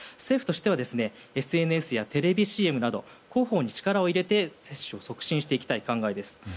政府としてはＳＮＳやテレビＣＭなど広報に力を入れて接種を促進していきたい考えです。